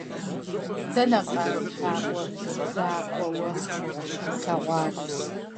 Дэнэ къаз лъакъуэ закъуэ уэ щыплъэгъуар!